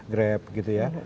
grab gitu ya